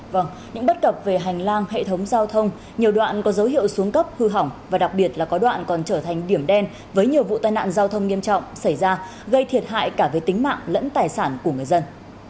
vâng những bất cập về hành lang hệ thống giao thông nhiều đoạn có dấu hiệu xuống cấp hư hỏng và đặc biệt là có đoạn còn trở thành điểm đen với nhiều vụ tai nạn giao thông nghiêm trọng xảy ra gây thiệt hại cả về tính mạng lẫn tài sản của người dân